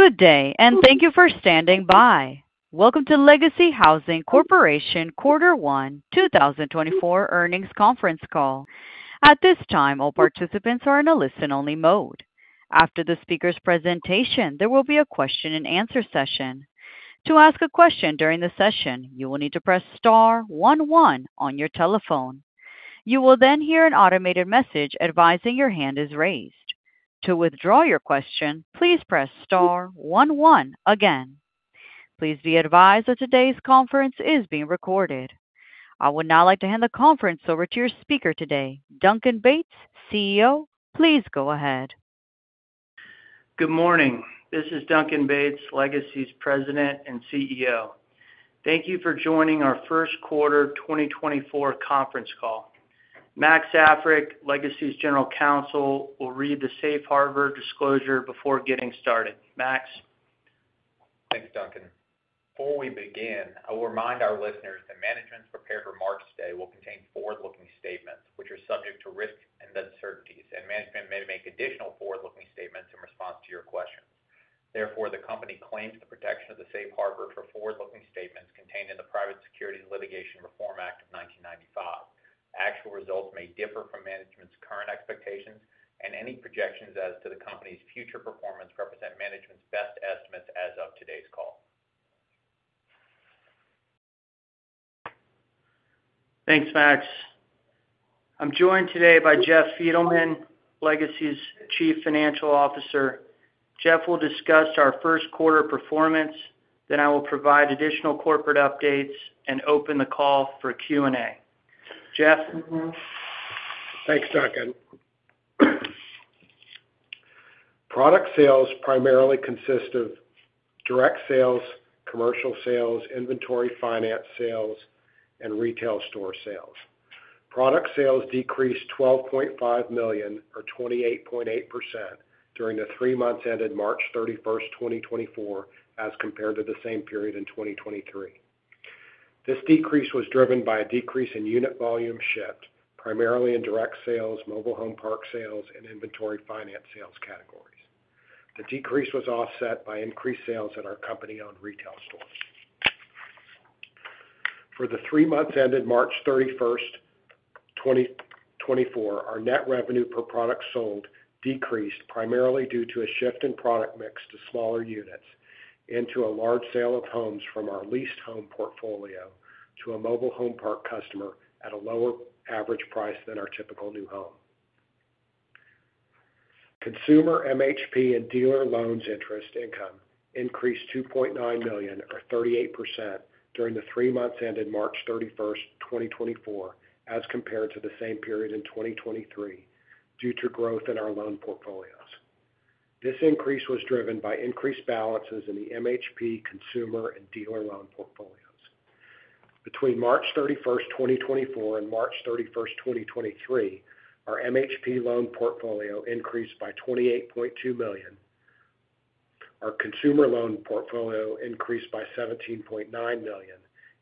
Good day, and thank you for standing by. Welcome to Legacy Housing Corporation Quarter 1 2024 earnings conference call. At this time, all participants are in a listen-only mode. After the speaker's presentation, there will be a question-and-answer session. To ask a question during the session, you will need to press star 11 on your telephone. You will then hear an automated message advising your hand is raised. To withdraw your question, please press star 11 again. Please be advised that today's conference is being recorded. I would now like to hand the conference over to your speaker today, Duncan Bates, CEO. Please go ahead. Good morning. This is Duncan Bates, Legacy's president and CEO. Thank you for joining our first quarter 2024 conference call. Max Africk, Legacy's general counsel, will read the Safe Harbor disclosure before getting started. Max? Thanks, Duncan. Before we begin, I will remind our listeners that management's prepared remarks today will contain forward-looking statements, which are subject to risk and uncertainties, and management may make additional forward-looking statements in response to your questions. Therefore, the company claims the protection of the Safe Harbor for forward-looking statements contained in the Private Securities Litigation Reform Act of 1995. Actual results may differ from management's current expectations, and any projections as to the company's future performance represent management's best estimates as of today's call. Thanks, Max. I'm joined today by Jeff Fiedelman, Legacy's Chief Financial Officer. Jeff will discuss our first quarter performance, then I will provide additional corporate updates and open the call for Q&A. Jeff? Thanks, Duncan. Product sales primarily consist of direct sales, commercial sales, inventory finance sales, and retail store sales. Product sales decreased $12.5 million or 28.8% during the three months ended March 31, 2024, as compared to the same period in 2023. This decrease was driven by a decrease in unit volume shift, primarily in direct sales, mobile home park sales, and inventory finance sales categories. The decrease was offset by increased sales at our company-owned retail stores. For the three months ended March 31, 2024, our net revenue per product sold decreased primarily due to a shift in product mix to smaller units into a large sale of homes from our leased home portfolio to a mobile home park customer at a lower average price than our typical new home. Consumer MHP and dealer loans interest income increased $2.9 million or 38% during the three months ended March 31, 2024, as compared to the same period in 2023 due to growth in our loan portfolios. This increase was driven by increased balances in the MHP consumer and dealer loan portfolios. Between March 31, 2024, and March 31, 2023, our MHP loan portfolio increased by $28.2 million, our consumer loan portfolio increased by $17.9 million,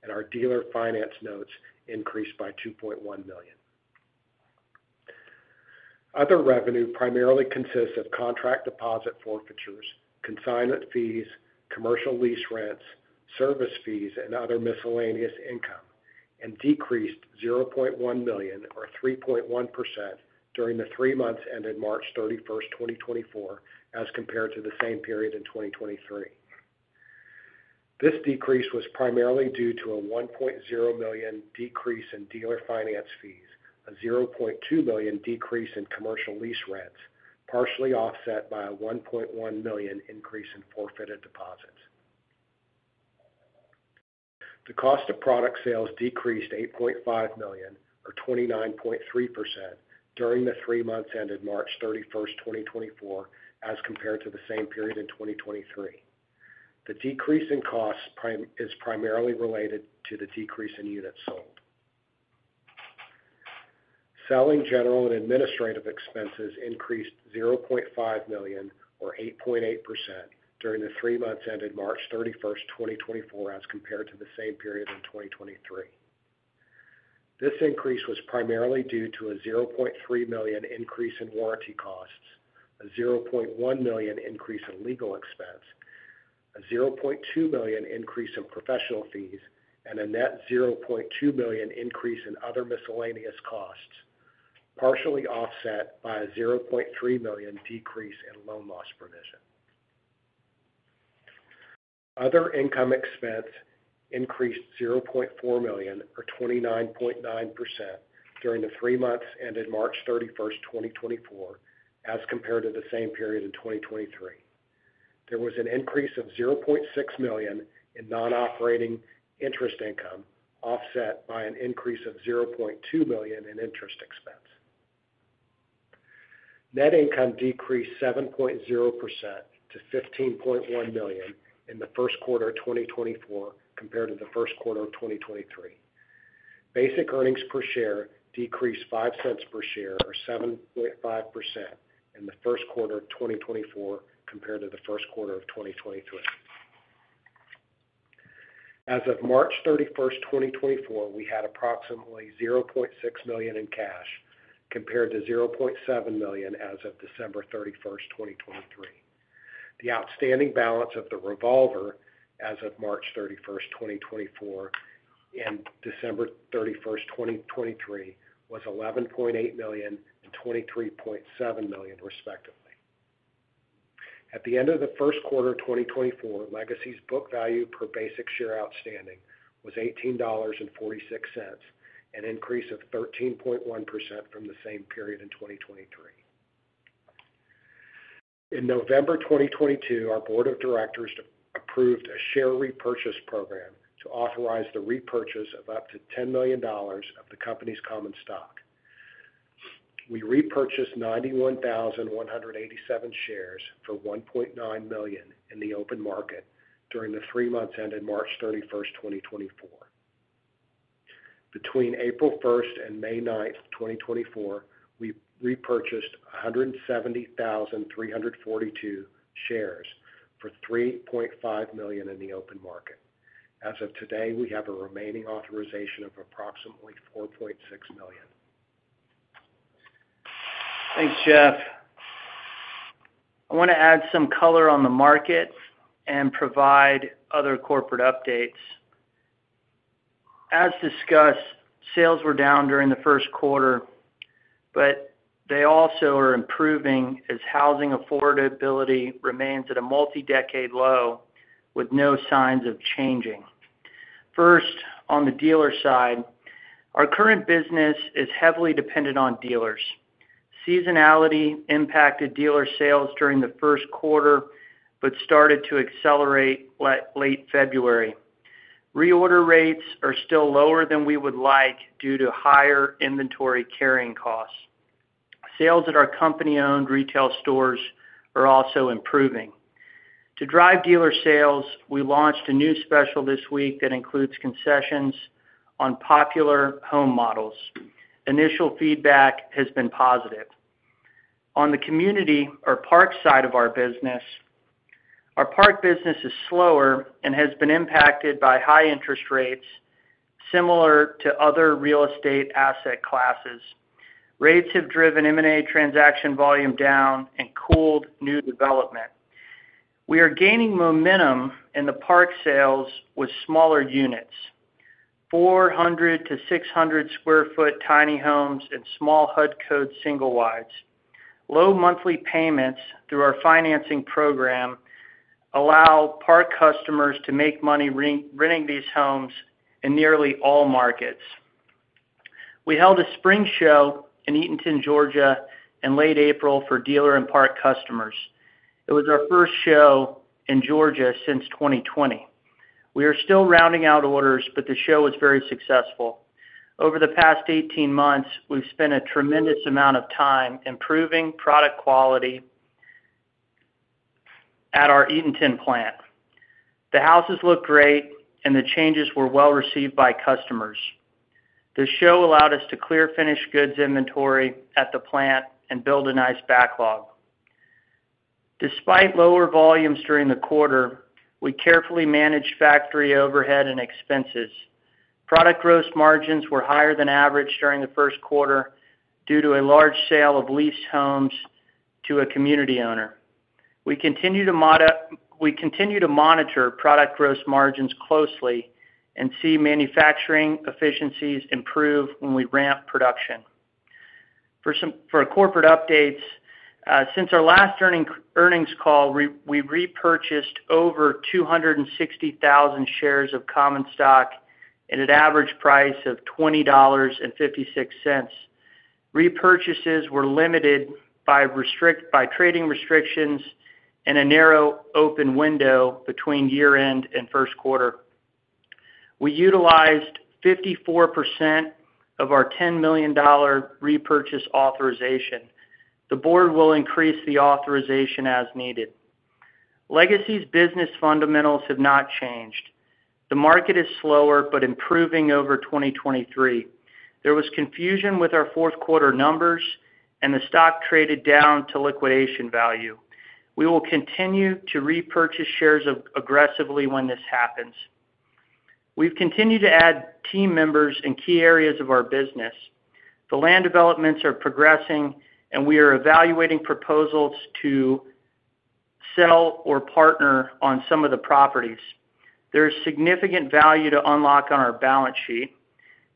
and our dealer finance notes increased by $2.1 million. Other revenue primarily consists of contract deposit forfeitures, consignment fees, commercial lease rents, service fees, and other miscellaneous income and decreased $0.1 million or 3.1% during the three months ended March 31, 2024, as compared to the same period in 2023. This decrease was primarily due to a $1.0 million decrease in dealer finance fees, a $0.2 million decrease in commercial lease rents, partially offset by a $1.1 million increase in forfeited deposits. The cost of product sales decreased $8.5 million or 29.3% during the three months ended March 31, 2024, as compared to the same period in 2023. The decrease in costs is primarily related to the decrease in units sold. Selling general and administrative expenses increased $0.5 million or 8.8% during the three months ended March 31, 2024, as compared to the same period in 2023. This increase was primarily due to a $0.3 million increase in warranty costs, a $0.1 million increase in legal expense, a $0.2 million increase in professional fees, and a net $0.2 million increase in other miscellaneous costs, partially offset by a $0.3 million decrease in loan loss provision. Other income expense increased $0.4 million or 29.9% during the three months ended March 31, 2024, as compared to the same period in 2023. There was an increase of $0.6 million in non-operating interest income offset by an increase of $0.2 million in interest expense. Net income decreased 7.0% to $15.1 million in the first quarter of 2024 compared to the first quarter of 2023. Basic earnings per share decreased $0.05 per share or 7.5% in the first quarter of 2024 compared to the first quarter of 2023. As of March 31, 2024, we had approximately $0.6 million in cash compared to $0.7 million as of December 31, 2023. The outstanding balance of the revolver as of March 31, 2024, and December 31, 2023, was $11.8 million and $23.7 million, respectively. At the end of the first quarter of 2024, Legacy's book value per basic share outstanding was $18.46, an increase of 13.1% from the same period in 2023. In November 2022, our board of directors approved a share repurchase program to authorize the repurchase of up to $10 million of the company's common stock. We repurchased 91,187 shares for $1.9 million in the open market during the three months ended March 31, 2024. Between April 1 and May 9, 2024, we repurchased 170,342 shares for $3.5 million in the open market. As of today, we have a remaining authorization of approximately $4.6 million. Thanks, Jeff. I want to add some color on the markets and provide other corporate updates. As discussed, sales were down during the first quarter, but they also are improving as housing affordability remains at a multi-decade low with no signs of changing. First, on the dealer side, our current business is heavily dependent on dealers. Seasonality impacted dealer sales during the first quarter but started to accelerate late February. Reorder rates are still lower than we would like due to higher inventory carrying costs. Sales at our company-owned retail stores are also improving. To drive dealer sales, we launched a new special this week that includes concessions on popular home models. Initial feedback has been positive. On the community or park side of our business, our park business is slower and has been impacted by high interest rates similar to other real estate asset classes. Rates have driven M&A transaction volume down and cooled new development. We are gaining momentum in the park sales with smaller units, 400-600 sq ft tiny homes and small HUD Code single-wides. Low monthly payments through our financing program allow park customers to make money renting these homes in nearly all markets. We held a spring show in Eatonton, Georgia, in late April for dealer and park customers. It was our first show in Georgia since 2020. We are still rounding out orders, but the show was very successful. Over the past 18 months, we've spent a tremendous amount of time improving product quality at our Eatonton plant. The houses looked great, and the changes were well received by customers. The show allowed us to clear finished goods inventory at the plant and build a nice backlog. Despite lower volumes during the quarter, we carefully managed factory overhead and expenses. Product gross margins were higher than average during the first quarter due to a large sale of leased homes to a community owner. We continue to monitor product gross margins closely and see manufacturing efficiencies improve when we ramp production. For corporate updates, since our last earnings call, we repurchased over 260,000 shares of common stock at an average price of $20.56. Repurchases were limited by trading restrictions and a narrow open window between year-end and first quarter. We utilized 54% of our $10 million repurchase authorization. The board will increase the authorization as needed. Legacy's business fundamentals have not changed. The market is slower but improving over 2023. There was confusion with our fourth quarter numbers, and the stock traded down to liquidation value. We will continue to repurchase shares aggressively when this happens. We've continued to add team members in key areas of our business. The land developments are progressing, and we are evaluating proposals to sell or partner on some of the properties. There is significant value to unlock on our balance sheet.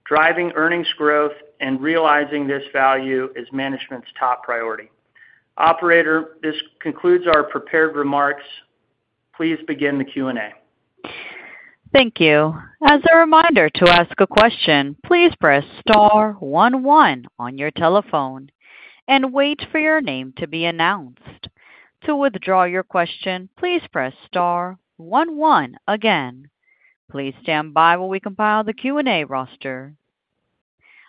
Driving earnings growth and realizing this value is management's top priority. Operator, this concludes our prepared remarks. Please begin the Q&A. Thank you. As a reminder to ask a question, please press star 11 on your telephone and wait for your name to be announced. To withdraw your question, please press star 11 again. Please stand by while we compile the Q&A roster.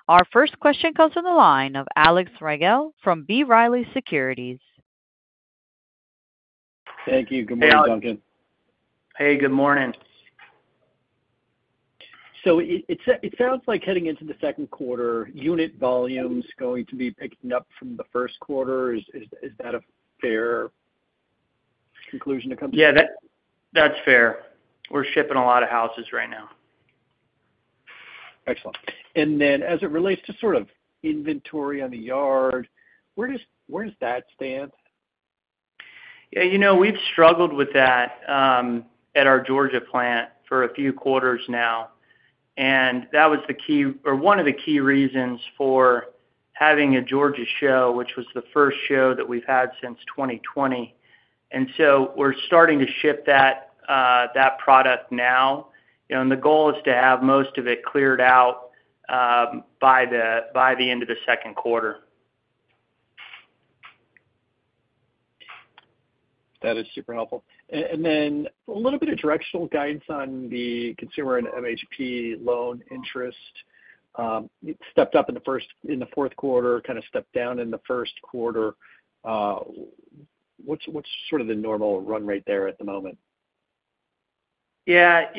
Our first question comes from the line of Alex Rygiel from B. Riley Securities. Thank you. Good morning, Duncan. Hey. Good morning. It sounds like heading into the second quarter, unit volumes going to be picking up from the first quarter. Is that a fair conclusion to come to? Yeah. That's fair. We're shipping a lot of houses right now. Excellent. And then as it relates to sort of inventory on the yard, where does that stand? Yeah. We've struggled with that at our Georgia plant for a few quarters now, and that was the key or one of the key reasons for having a Georgia show, which was the first show that we've had since 2020. And so we're starting to ship that product now, and the goal is to have most of it cleared out by the end of the second quarter. That is super helpful. Then a little bit of directional guidance on the consumer and MHP loan interest. It stepped up in the fourth quarter, kind of stepped down in the first quarter. What's sort of the normal run rate there at the moment? Yeah.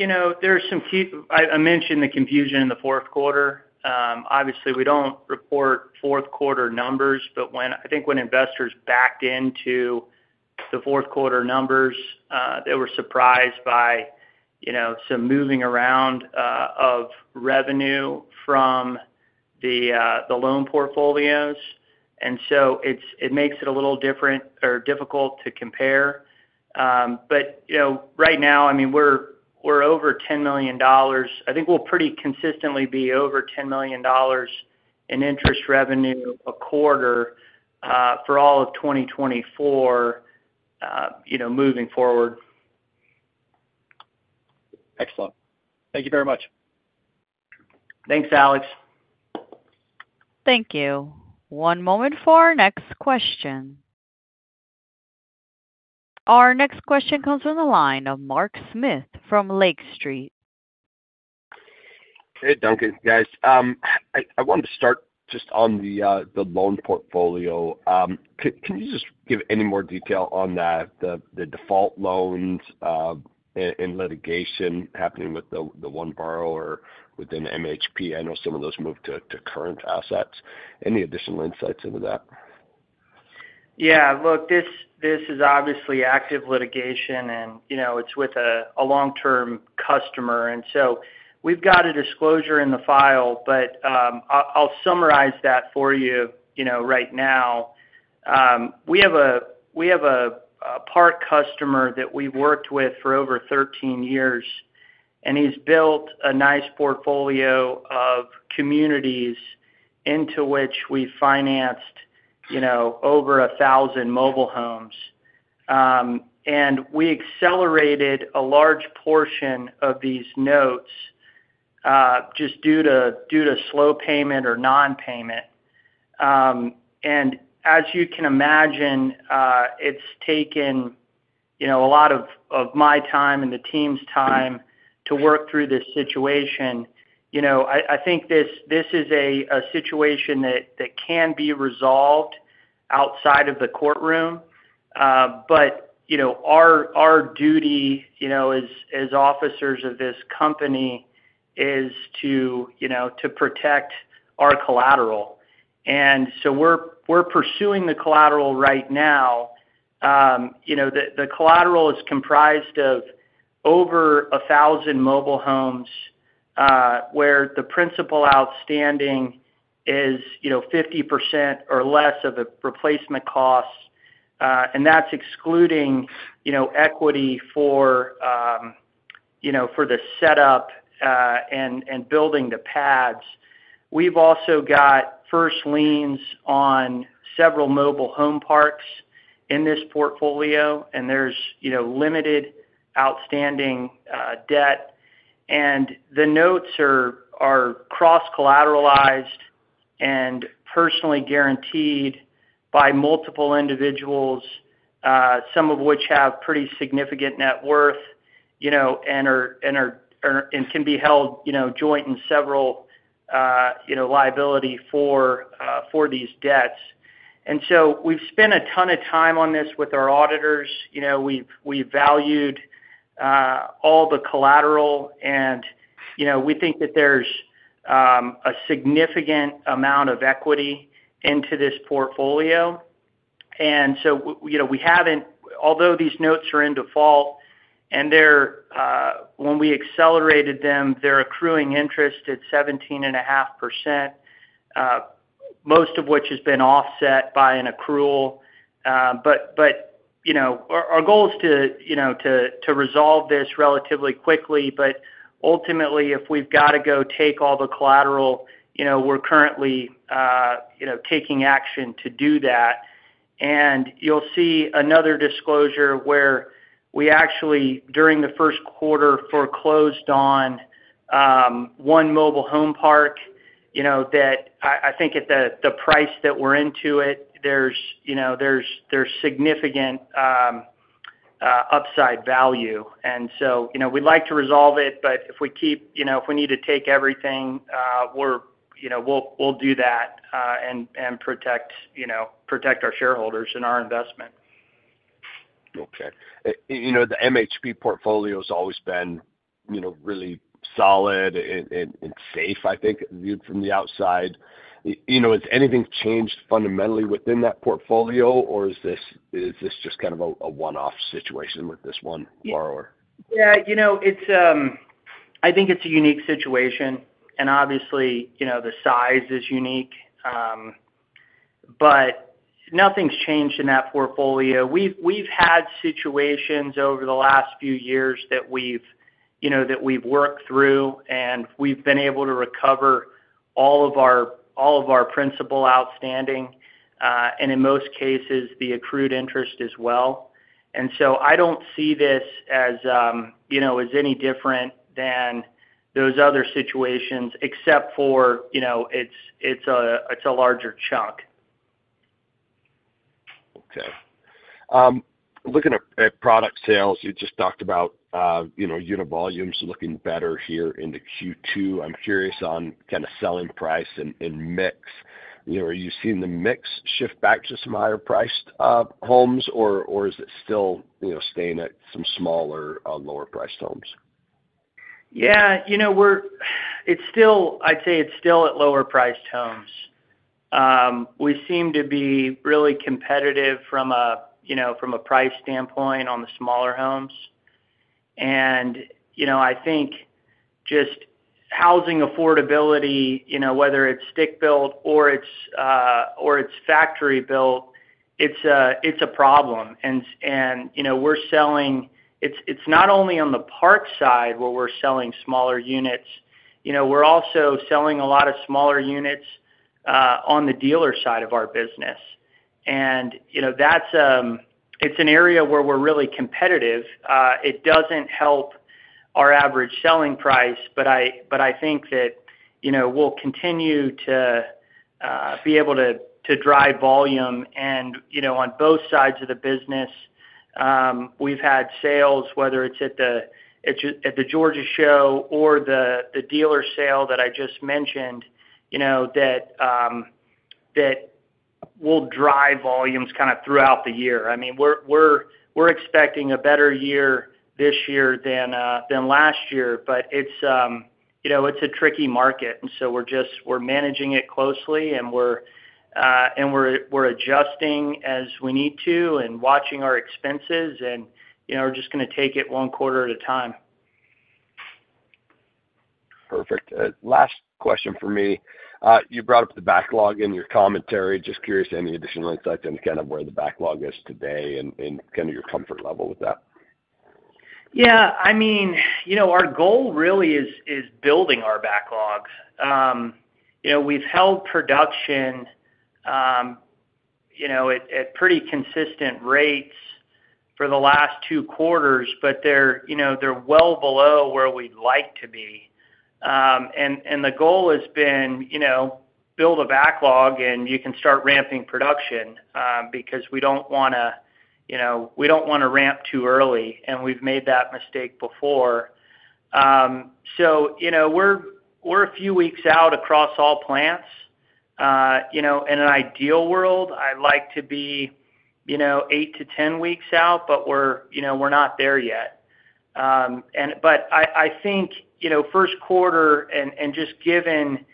There are some key. I mentioned the confusion in the fourth quarter. Obviously, we don't report fourth quarter numbers, but I think when investors backed into the fourth quarter numbers, they were surprised by some moving around of revenue from the loan portfolios. And so it makes it a little different or difficult to compare. But right now, I mean, we're over $10 million. I think we'll pretty consistently be over $10 million in interest revenue a quarter for all of 2024 moving forward. Excellent. Thank you very much. Thanks, Alex. Thank you. One moment for our next question. Our next question comes from the line of Mark Smith from Lake Street. Hey, Duncan. Guys, I wanted to start just on the loan portfolio. Can you just give any more detail on the default loans and litigation happening with the One Borrower within MHP? I know some of those moved to current assets. Any additional insights into that? Yeah. Look, this is obviously active litigation, and it's with a long-term customer. So we've got a disclosure in the file, but I'll summarize that for you right now. We have a park customer that we've worked with for over 13 years, and he's built a nice portfolio of communities into which we financed over 1,000 mobile homes. We accelerated a large portion of these notes just due to slow payment or nonpayment. As you can imagine, it's taken a lot of my time and the team's time to work through this situation. I think this is a situation that can be resolved outside of the courtroom, but our duty as officers of this company is to protect our collateral. So we're pursuing the collateral right now. The collateral is comprised of over 1,000 mobile homes where the principal outstanding is 50% or less of a replacement cost, and that's excluding equity for the setup and building the pads. We've also got first liens on several mobile home parks in this portfolio, and there's limited outstanding debt. The notes are cross-collateralized and personally guaranteed by multiple individuals, some of which have pretty significant net worth and can be held joint in several liability for these debts. So we've spent a ton of time on this with our auditors. We've valued all the collateral, and we think that there's a significant amount of equity into this portfolio. So we haven't although these notes are in default, and when we accelerated them, they're accruing interest at 17.5%, most of which has been offset by an accrual. But our goal is to resolve this relatively quickly. But ultimately, if we've got to go take all the collateral, we're currently taking action to do that. And you'll see another disclosure where we actually, during the first quarter, foreclosed on one mobile home park that I think at the price that we're into it, there's significant upside value. And so we'd like to resolve it, but if we need to take everything, we'll do that and protect our shareholders and our investment. Okay. The MHP portfolio has always been really solid and safe, I think, viewed from the outside. Has anything changed fundamentally within that portfolio, or is this just kind of a one-off situation with this One Borrower? Yeah. I think it's a unique situation, and obviously, the size is unique, but nothing's changed in that portfolio. We've had situations over the last few years that we've worked through, and we've been able to recover all of our principal outstanding and, in most cases, the accrued interest as well. And so I don't see this as any different than those other situations except for it's a larger chunk. Okay. Looking at product sales, you just talked about unit volumes looking better here in the Q2. I'm curious on kind of selling price and mix. Are you seeing the mix shift back to some higher-priced homes, or is it still staying at some smaller, lower-priced homes? Yeah. I'd say it's still at lower-priced homes. We seem to be really competitive from a price standpoint on the smaller homes. And I think just housing affordability, whether it's stick-built or it's factory-built, it's a problem. And we're selling. It's not only on the park side where we're selling smaller units. We're also selling a lot of smaller units on the dealer side of our business. And it's an area where we're really competitive. It doesn't help our average selling price, but I think that we'll continue to be able to drive volume. And on both sides of the business, we've had sales, whether it's at the Georgia show or the dealer sale that I just mentioned, that will drive volumes kind of throughout the year. I mean, we're expecting a better year this year than last year, but it's a tricky market. And so we're managing it closely, and we're adjusting as we need to and watching our expenses. And we're just going to take it one quarter at a time. Perfect. Last question for me. You brought up the backlog in your commentary. Just curious any additional insights on kind of where the backlog is today and kind of your comfort level with that? Yeah. I mean, our goal really is building our backlog. We've held production at pretty consistent rates for the last two quarters, but they're well below where we'd like to be. And the goal has been to build a backlog, and you can start ramping production because we don't want to ramp too early, and we've made that mistake before. So we're a few weeks out across all plants. In an ideal world, I'd like to be 8-10 weeks out, but we're not there yet. But I think first quarter, and just given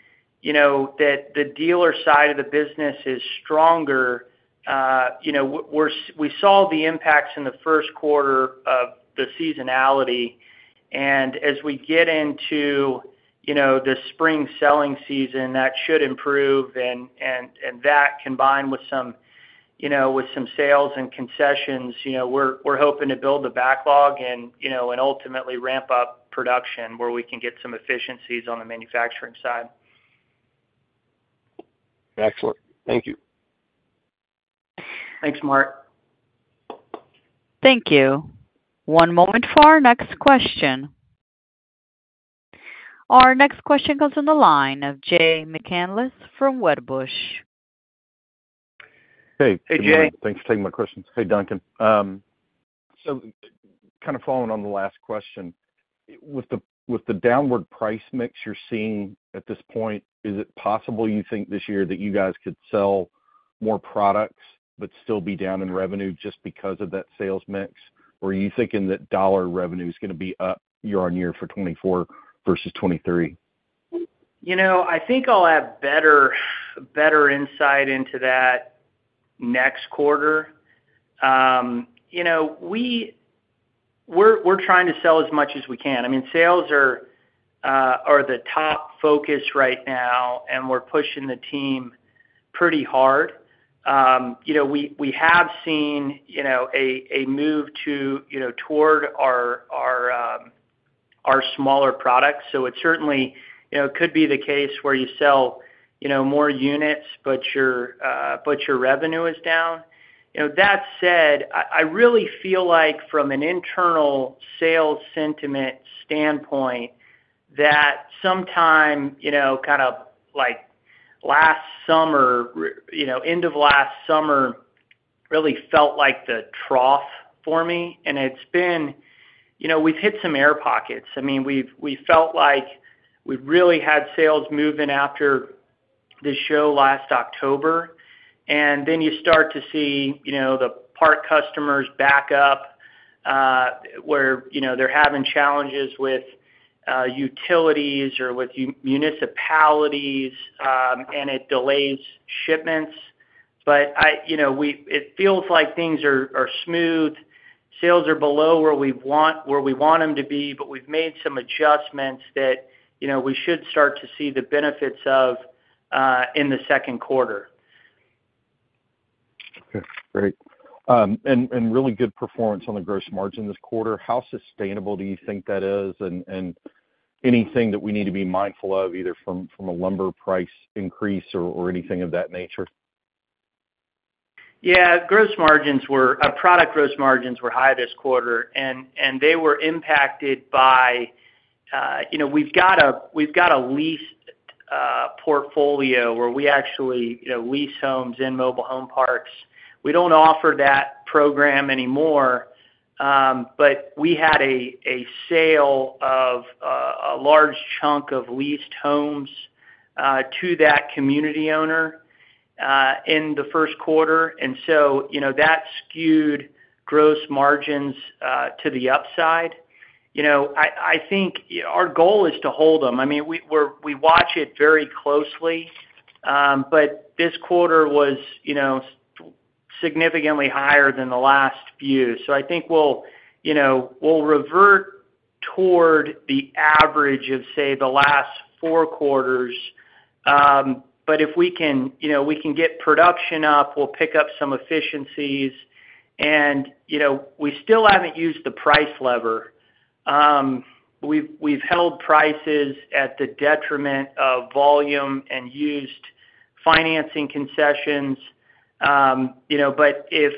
that the dealer side of the business is stronger, we saw the impacts in the first quarter of the seasonality. And as we get into the spring selling season, that should improve. And that, combined with some sales and concessions, we're hoping to build the backlog and ultimately ramp up production where we can get some efficiencies on the manufacturing side. Excellent. Thank you. Thanks, Mark. Thank you. One moment for our next question. Our next question comes from the line of Jay McCanless from Wedbush. Hey. Hey, Jay. Thanks for taking my questions. Hey, Duncan. So kind of following on the last question, with the downward price mix you're seeing at this point, is it possible, you think, this year that you guys could sell more products but still be down in revenue just because of that sales mix, or are you thinking that dollar revenue is going to be up year-over-year for 2024 versus 2023? I think I'll have better insight into that next quarter. We're trying to sell as much as we can. I mean, sales are the top focus right now, and we're pushing the team pretty hard. We have seen a move toward our smaller products. So it certainly could be the case where you sell more units, but your revenue is down. That said, I really feel like, from an internal sales sentiment standpoint, that sometime, kind of like last summer, end of last summer, really felt like the trough for me. And it's been, we've hit some air pockets. I mean, we felt like we really had sales moving after the show last October. And then you start to see the park customers back up where they're having challenges with utilities or with municipalities, and it delays shipments. But it feels like things are smooth. Sales are below where we want them to be, but we've made some adjustments that we should start to see the benefits of in the second quarter. Okay. Great. And really good performance on the gross margin this quarter. How sustainable do you think that is and anything that we need to be mindful of either from a lumber price increase or anything of that nature? Yeah. Gross margins were our product gross margins were high this quarter, and they were impacted by we've got a lease portfolio where we actually lease homes in mobile home parks. We don't offer that program anymore, but we had a sale of a large chunk of leased homes to that community owner in the first quarter. And so that skewed gross margins to the upside. I think our goal is to hold them. I mean, we watch it very closely, but this quarter was significantly higher than the last few. So I think we'll revert toward the average of, say, the last four quarters. But if we can get production up, we'll pick up some efficiencies. And we still haven't used the price lever. We've held prices at the detriment of volume and used financing concessions. But if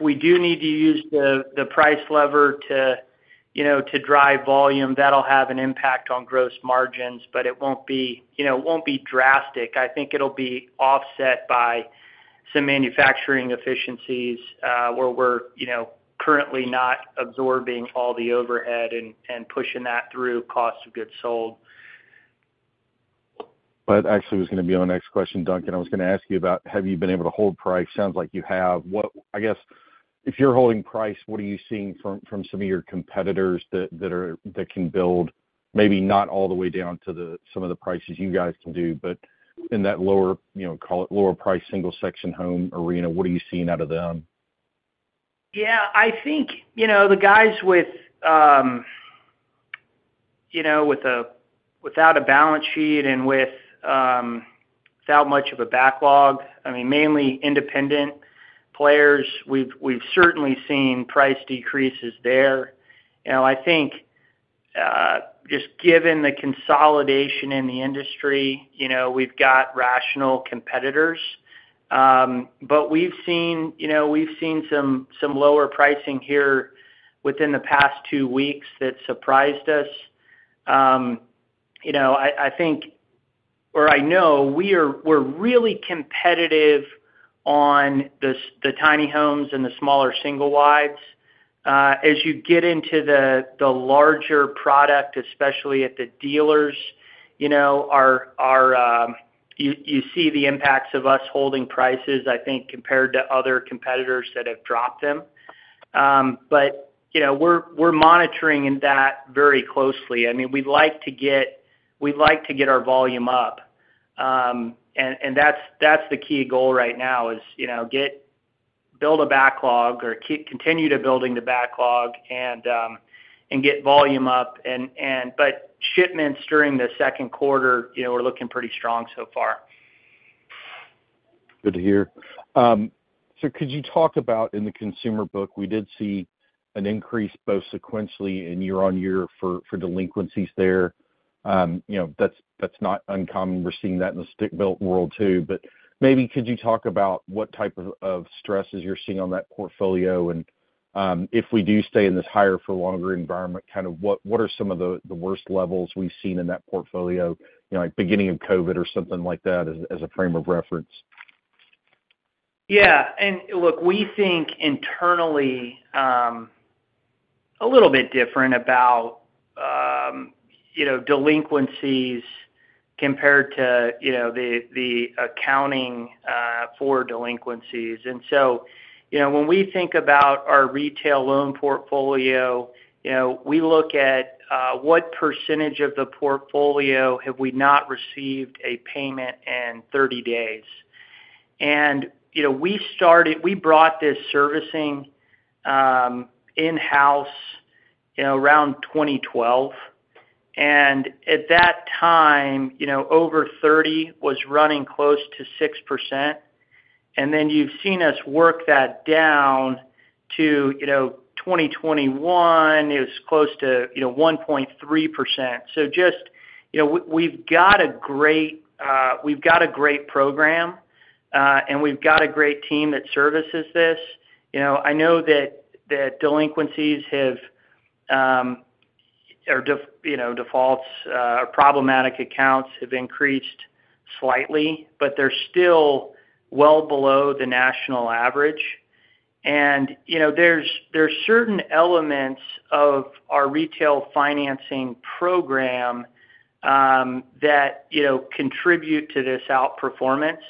we do need to use the price lever to drive volume, that'll have an impact on gross margins, but it won't be drastic. I think it'll be offset by some manufacturing efficiencies where we're currently not absorbing all the overhead and pushing that through cost of goods sold. Actually, it was going to be our next question, Duncan. I was going to ask you about, have you been able to hold price? Sounds like you have. I guess, if you're holding price, what are you seeing from some of your competitors that can build maybe not all the way down to some of the prices you guys can do, but in that lower call it lower-price single-section home arena? What are you seeing out of them? Yeah. I think the guys without a balance sheet and without much of a backlog, I mean, mainly independent players, we've certainly seen price decreases there. I think just given the consolidation in the industry, we've got rational competitors. But we've seen some lower pricing here within the past two weeks that surprised us. I think or I know we're really competitive on the tiny homes and the smaller single-wides. As you get into the larger product, especially at the dealers, you see the impacts of us holding prices, I think, compared to other competitors that have dropped them. But we're monitoring that very closely. I mean, we'd like to get we'd like to get our volume up. And that's the key goal right now, is build a backlog or continue to build the backlog and get volume up. Shipments during the second quarter, we're looking pretty strong so far. Good to hear. So could you talk about in the consumer book, we did see an increase both sequentially and year-over-year for delinquencies there. That's not uncommon. We're seeing that in the stick-built world too. But maybe could you talk about what type of stresses you're seeing on that portfolio? And if we do stay in this higher-for-longer environment, kind of what are some of the worst levels we've seen in that portfolio, like beginning of COVID or something like that, as a frame of reference? Yeah. And look, we think internally a little bit different about delinquencies compared to the accounting for delinquencies. And so when we think about our retail loan portfolio, we look at what percentage of the portfolio have we not received a payment in 30 days? And we brought this servicing in-house around 2012. And at that time, over 30 was running close to 6%. And then you've seen us work that down to 2021. It was close to 1.3%. So just we've got a great program, and we've got a great team that services this. I know that delinquencies or defaults or problematic accounts have increased slightly, but they're still well below the national average. And there's certain elements of our retail financing program that contribute to this outperformance.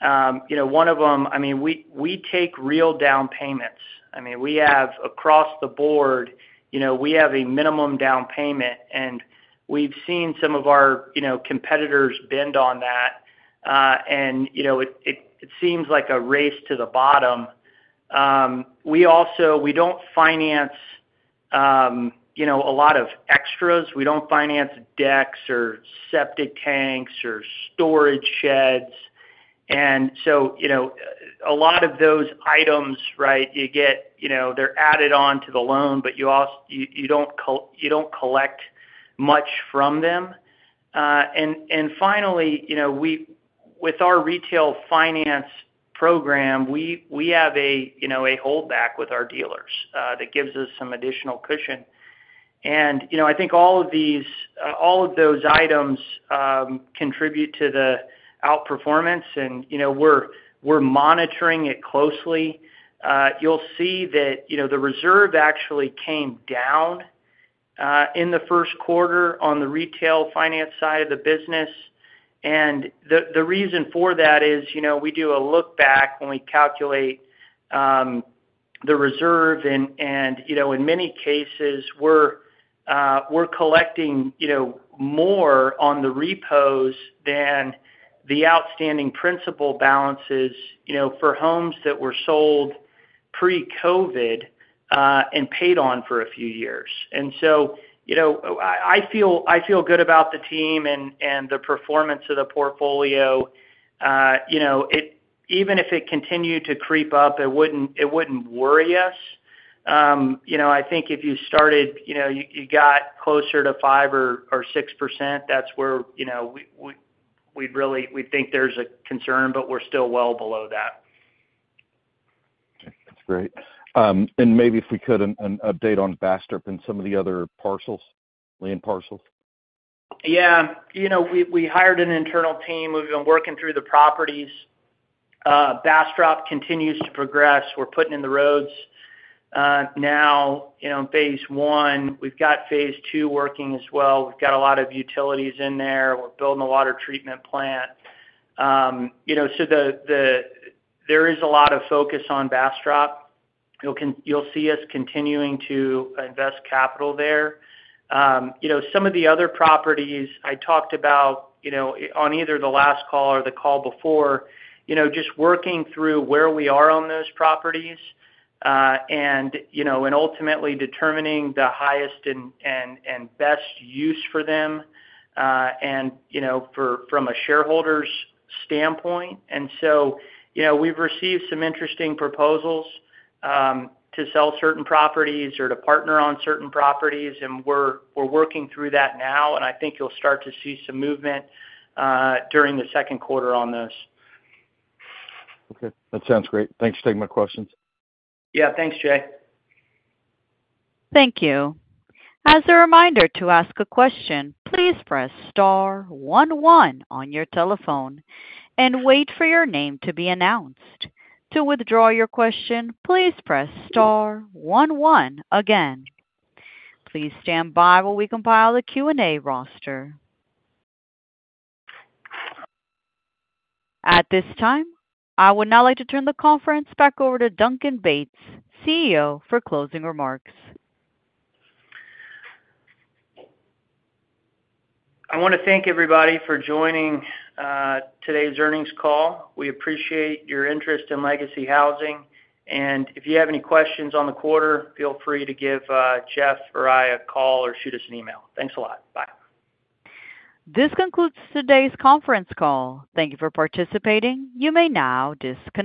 One of them, I mean, we take real down payments. I mean, across the board, we have a minimum down payment, and we've seen some of our competitors bend on that. It seems like a race to the bottom. We don't finance a lot of extras. We don't finance decks or septic tanks or storage sheds. A lot of those items, right, you get they're added on to the loan, but you don't collect much from them. Finally, with our retail finance program, we have a holdback with our dealers. That gives us some additional cushion. I think all of these all of those items contribute to the outperformance, and we're monitoring it closely. You'll see that the reserve actually came down in the first quarter on the retail finance side of the business. The reason for that is we do a lookback when we calculate the reserve. In many cases, we're collecting more on the repos than the outstanding principal balances for homes that were sold pre-COVID and paid on for a few years. So I feel good about the team and the performance of the portfolio. Even if it continued to creep up, it wouldn't worry us. I think if it started to get closer to 5% or 6%, that's where we'd really think there's a concern, but we're still well below that. Okay. That's great. And maybe if we could an update on Bastrop and some of the other parcels, land parcels. Yeah. We hired an internal team. We've been working through the properties. Bastrop continues to progress. We're putting in the roads now in phase one. We've got phase two working as well. We've got a lot of utilities in there. We're building a water treatment plant. So there is a lot of focus on Bastrop. You'll see us continuing to invest capital there. Some of the other properties I talked about on either the last call or the call before, just working through where we are on those properties and ultimately determining the highest and best use for them from a shareholder's standpoint. And so we've received some interesting proposals to sell certain properties or to partner on certain properties, and we're working through that now. And I think you'll start to see some movement during the second quarter on those. Okay. That sounds great. Thanks for taking my questions. Yeah. Thanks, Jay. Thank you. As a reminder to ask a question, please press star 11 on your telephone and wait for your name to be announced. To withdraw your question, please press star 11 again. Please stand by while we compile the Q&A roster. At this time, I would now like to turn the conference back over to Duncan Bates, CEO, for closing remarks. I want to thank everybody for joining today's earnings call. We appreciate your interest in Legacy Housing. If you have any questions on the quarter, feel free to give Jeff or I a call or shoot us an email. Thanks a lot. Bye. This concludes today's conference call. Thank you for participating. You may now disconnect.